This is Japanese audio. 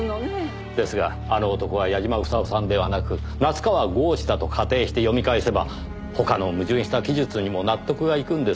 ですが「あの男」は矢嶋房夫さんではなく夏河郷士だと仮定して読み返せば他の矛盾した記述にも納得がいくんですよ。